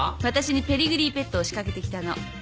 私にペディグリーペットを仕掛けてきたの。